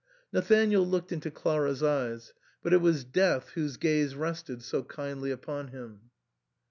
Nathanael looked into Clara's eyes ; but it was death whose gaze rested so kindly upon him.